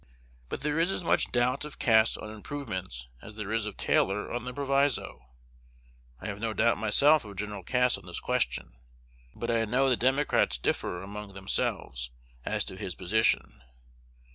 But there is as much doubt of Cass on improvements as there is of Taylor on the proviso. I have no doubt myself of Gen. Cass on this question, but I know the Democrats differ among themselves as to his position.